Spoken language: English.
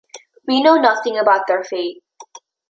We know nothing about their fate.